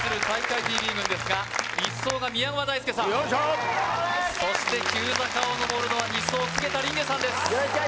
ＴＶ軍ですが１走が宮川大輔さんよいしょそして急坂を上るのは２走菅田琳寧さんです